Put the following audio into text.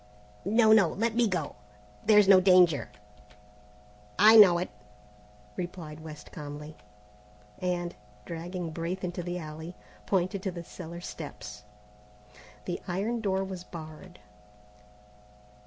"No, no, let me go, there's no danger." "I know it," replied West calmly; and, dragging Braith into the alley, pointed to the cellar steps. The iron door was barred.